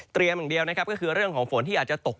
เตรียมอย่างเดียวก็คือเรื่องของฝนที่อาจจะตก